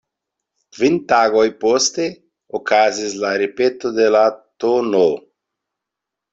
Kvin tagoj poste okazis la ripeto de la tn.